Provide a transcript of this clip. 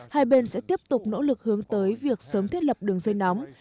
hai bên sẽ tiếp tục nỗ lực hướng tới việc sớm thiết lập đường dây nóng